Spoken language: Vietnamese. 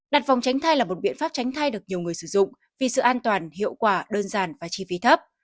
đặt phòng tránh thai là một biện pháp tránh thai được nhiều người sử dụng vì sự an toàn hiệu quả đơn giản và chi phí thấp